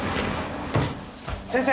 ・・先生。